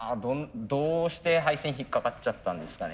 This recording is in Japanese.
どうして配線引っ掛かっちゃったんですかね。